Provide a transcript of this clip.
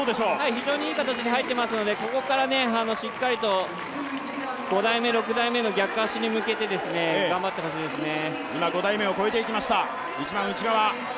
非常にいい形で入ってますので、ここからしっかりと５台目、６台目の逆足に向けて頑張ってほしいですね。